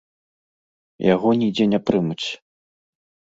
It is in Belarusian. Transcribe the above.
Яго нідзе не прымуць.